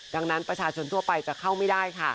ดังนั้นประชาชนทั่วไปจะเข้าไม่ได้ค่ะ